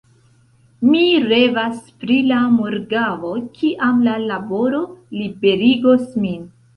Mi revas pri la morgaŭo, kiam la laboro liberigos min.